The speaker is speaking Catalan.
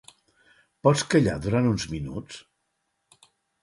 Pots callar durant uns minuts?